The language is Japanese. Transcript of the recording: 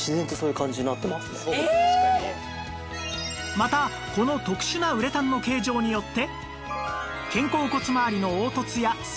またこの特殊なウレタンの形状によって